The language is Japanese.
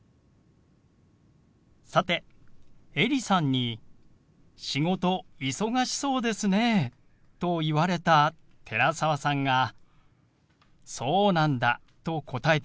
さてエリさんに「仕事忙しそうですね」と言われた寺澤さんが「そうなんだ」と答えていましたね。